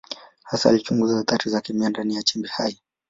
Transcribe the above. Hasa alichunguza athari za kikemia ndani ya chembe hai.